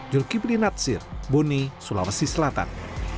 jurgibri natsir bone sulawesi selatan